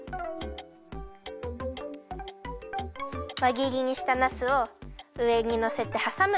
わぎりにしたなすをうえにのせてはさむ。